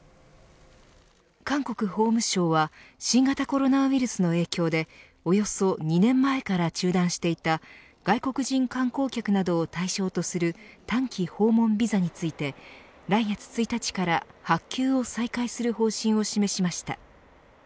韓国法務省は新型コロナウイルスの影響でおよそ２年前から中断していた外国人観光客などを対象とする短期訪問ビザについて来月１日から発給を再開する方針を示しました。